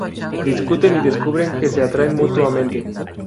Discuten y descubren que se atraen mutuamente.